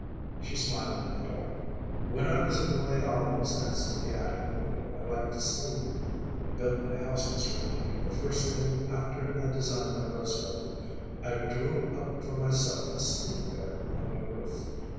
She smiled in the dark. "When I was a boy always next to the attic window I liked to sleep. When I built my house, Miss Renie, the first thing after I designed my rose garden I drew up for myself a sleeping garden on my roof.